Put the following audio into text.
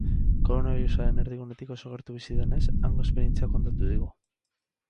Koronabirusaren erdigunetik oso gertu bizi denez, hango esperientzia kontatu digu.